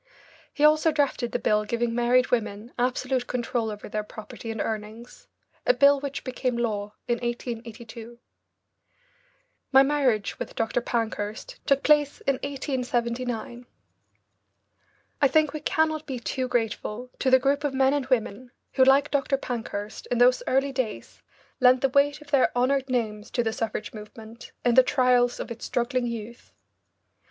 He also drafted the bill giving married women absolute control over their property and earnings, a bill which became law in 1882. My marriage with Dr. Pankhurst took place in 1879. I think we cannot be too grateful to the group of men and women who, like Dr. Pankhurst, in those early days lent the weight of their honoured names to the suffrage movement in the trials of its struggling youth.